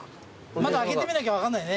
まだ開けてみなきゃ分かんないね。